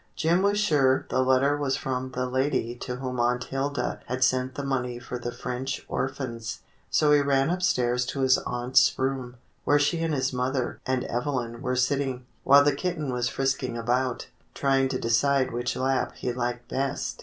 Jim was sure the letter was from the lady to whom Aunt Hilda had sent the money for the French or phans. So he ran upstairs to his aunt's room, where she and his mother and Evelyn were sitting, while the kitten was frisking about, trying to decide which lap he liked best.